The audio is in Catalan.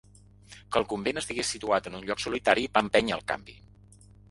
Que el convent estigués situat en un lloc solitari va empènyer al canvi.